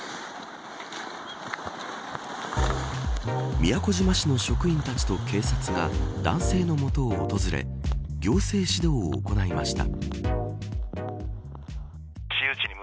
宮古島市の職員たちと警察が男性の元を訪れ行政指導を行いました。